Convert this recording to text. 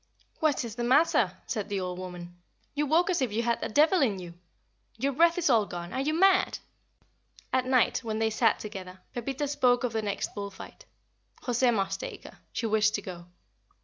"What is the matter?" said the old woman. "You walk as if you had a devil in you. Your breath is all gone. Are you mad?" At night, when they sat together, Pepita spoke of the next bull fight. José must take her. She wished to go.